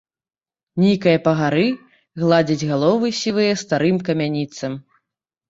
Нікае па гары, гладзіць галовы сівыя старым камяніцам.